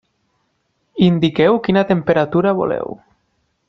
Indiqueu quina temperatura voleu.